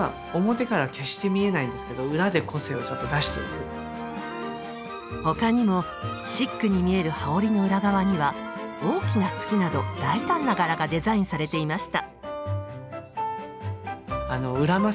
この辺は少し他にもシックに見える羽織の裏側には大きな月など大胆な柄がデザインされていました。